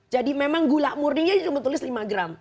jadi memang gula murninya cuma tulis lima gram